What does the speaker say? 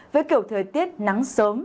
với kiểu thời tiết nắng sớm